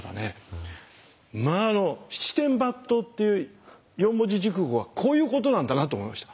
まああの七転八倒っていう四文字熟語はこういうことなんだなと思いました。